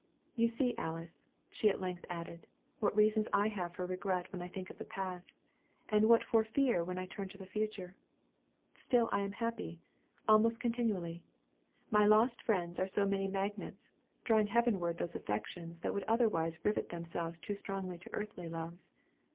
"You see, Alice," she at length added, "what reasons I have for regret when I think of the past, and what for fear when I turn to the future. Still I am happy, almost continually. My lost friends are so many magnets, drawing heavenward those affections that would otherwise rivet themselves too strongly to earthly loves.